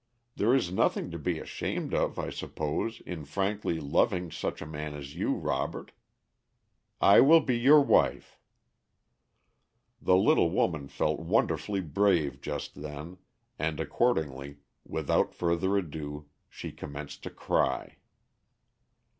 There is nothing to be ashamed of, I suppose, in frankly loving such a man as you, Robert. I will be your wife." The little woman felt wonderfully brave just then, and accordingly, without further ado, she commenced to cry.